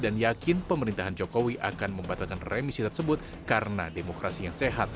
dan yakin pemerintahan jokowi akan membatalkan remisi tersebut karena demokrasi yang sehat